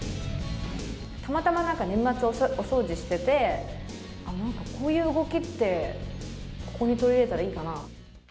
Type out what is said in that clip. たまたまなんか、年末お掃除してて、なんか、こういう動きって、ここに取り入れたらいいかな。